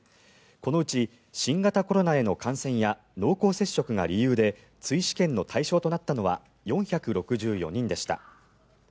このうち、新型コロナへの感染や濃厚接触が理由で追試験の対象となったのは４６４人でした。